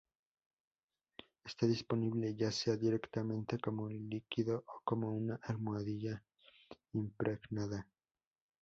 Está disponible ya sea directamente como un líquido o como una almohadilla impregnada.